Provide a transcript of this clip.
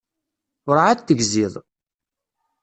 Urεad tegziḍ.